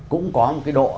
cũng có một cái độ